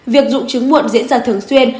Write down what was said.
bảy việc dụng trứng muộn diễn ra thường xuyên